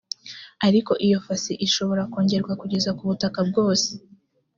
ariko iyo fasi ishobora kongerwa kugeza ku butaka bwose